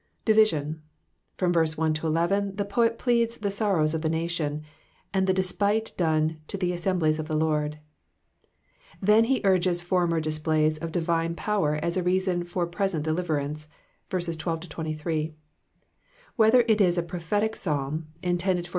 Division. — hYom ver.se 1 — 11 the poet pleads the sorrows of the nation, aiui the despite. done to the assnnblies of the Lord ; then he urges former displays of divine power as a renjion for present deliverance (ver.ses 12 — 2S). Wlielher it is a prophetic Psalm, intejided for u.